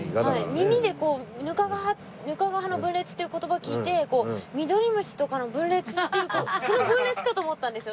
耳でこうヌカガハ「ヌカガハの分裂」っていう言葉を聞いてこうミドリムシとかの分裂っていうその分裂かと思ったんですよ